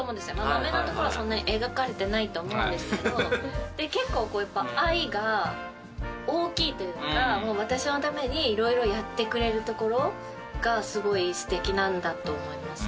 マメなところはそんなに描かれてないと思うんですけど結構やっぱ愛が大きいというか私のためにいろいろやってくれるところがすごい素敵なんだと思います